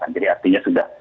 jadi artinya sudah